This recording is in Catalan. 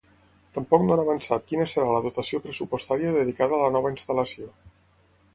Tampoc no han avançat quina serà la dotació pressupostària dedicada a la nova instal·lació.